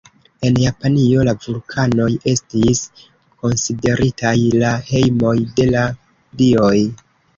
En Japanio la vulkanoj estis konsideritaj la hejmoj de la dioj.